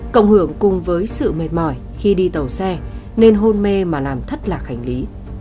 cộng hưởng cùng với sự mệt mỏi khi đi tàu xe nên hôn mê mà làm thất lạc hành lý